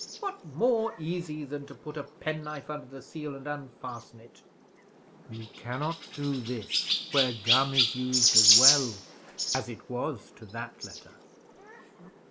What more easy than to put a penknife under the seal, and unfasten it?" "You cannot do this where gum is used as well: as it was to that letter."